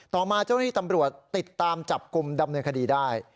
ต่อมาเจ้าหน้าที่ตำรวจติดตามจับกลุ่มดำเนินคดีได้